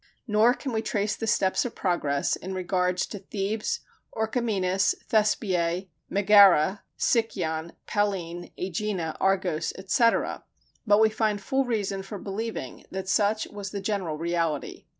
Nor can we trace the steps of progress in regard to Thebes, Orchomenus, Thespiæ, Megara, Sicyon, Pellene, Ægina, Argos, etc., but we find full reason for believing that such was the general reality.